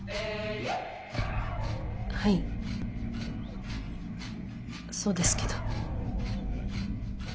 はいそうですけど。